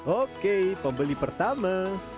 oke pembeli pertama